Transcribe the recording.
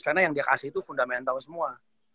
karena yang dia kasih itu fundamental semua